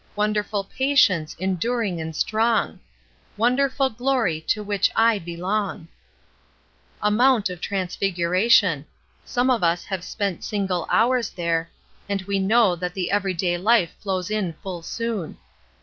Wonderful patience, enduring and strong ! Wonderful glory to which I belong !" A mount of transfiguration. Some of us have spent single hours there, and we know that the everyday Ufe flows in full soon.